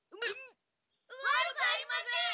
・悪くありません！